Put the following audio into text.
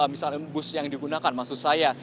misalnya bus yang digunakan maksud saya